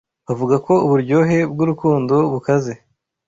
Bavuga ko uburyohe bwurukundo bukaze.